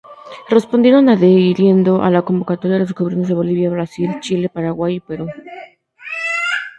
Respondieron adhiriendo a la convocatoria los gobiernos de Bolivia, Brasil, Chile, Paraguay y Perú.